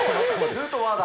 ヌートバーだ。